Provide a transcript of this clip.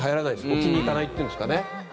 置きにいかないっていうんですかね。